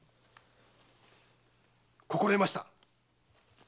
心得ました！